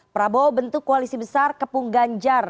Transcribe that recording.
prabowo bentuk koalisi besar kepungganjar